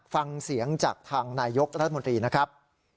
ฟังเสียงจากทางนายยกรัฐมนตรีนะครับ